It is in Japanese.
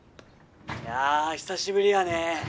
いや久しぶりやね。